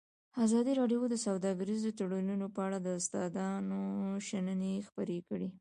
ازادي راډیو د سوداګریز تړونونه په اړه د استادانو شننې خپرې کړي.